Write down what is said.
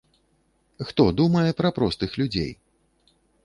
Хто думае пра простых людзей?